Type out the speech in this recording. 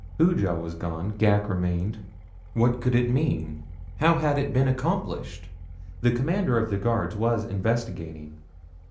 Hooja was gone. Ghak remained. What could it mean? How had it been accomplished? The commander of the guards was investigating.